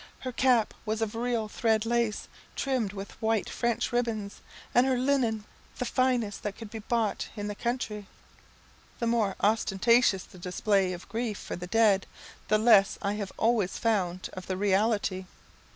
Her cap was of real thread lace, trimmed with white French ribbons, and her linen the finest that could be bought in the country." The more ostentatious the display of grief for the dead, the less I have always found of the reality.